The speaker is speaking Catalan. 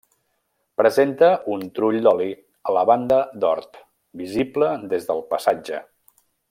Presenta un trull d'oli a la banda d'hort, visible des del passatge.